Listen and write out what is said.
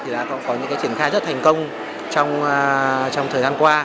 thì đã có những triển khai rất thành công trong thời gian qua